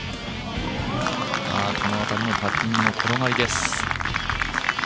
この辺りのパッティングも転がりです。